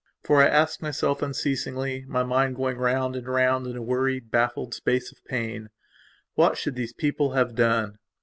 For I ask myself unceasingly, my mind going round and round in a weary, baffled space of painwhat should these people have done?